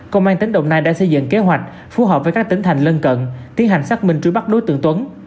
công an tỉnh đồng nai đã xây dựng kế hoạch phù hợp với các tỉnh thành lân cận tiến hành xác minh truy bắt đối tượng tuấn